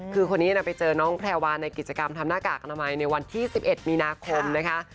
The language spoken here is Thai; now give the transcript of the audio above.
คือคนนี้ไปเจอน้องแพรวาในกิจกรรมทำหน้ากากอนามัยในวันที่๑๑มีนาคมนะคะ